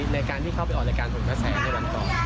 ในการที่เข้าไปออกรายการหนกระแสในวันก่อน